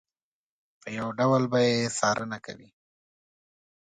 په یو ډول به یې څارنه کوي.